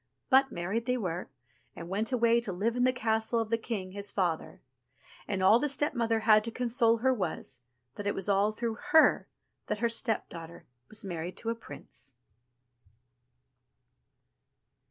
But married they were, and went away to live in the castle of the king, his father ; and all the step mother had to console her was, that it was all through her that her stepdaughter was married to a prince.